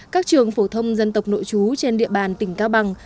các trường phổ thông dân tộc nội chú trên địa bàn tỉnh cao bằng